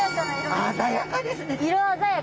鮮やかですね。